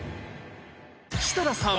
設楽さん